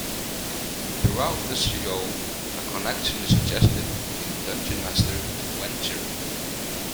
Throughout the show, a connection is suggested between Dungeon Master and Venger.